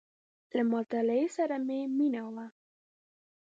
• له مطالعې سره مې مینه وه.